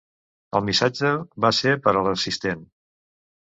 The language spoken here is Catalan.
El missatge var ser per a l"assistent.